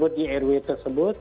di rw tersebut